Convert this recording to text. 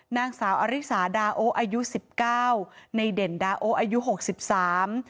นางสาวอริสาดาโออายุสิบเก้าในเด่นดาโออายุหกสิบสาม